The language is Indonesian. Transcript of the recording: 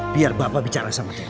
biar bapak bicara sama kita